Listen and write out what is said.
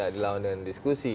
dilawan dengan diskusi